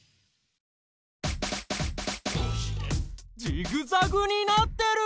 ジグザグになってる！？